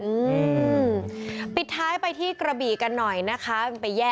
อืมปิดท้ายไปที่กระบี่กันหน่อยนะคะ